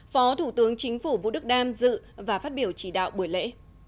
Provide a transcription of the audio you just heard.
phó thủ tướng chính phủ vũ đức đam dự và phát biểu chỉ đạo buổi lễ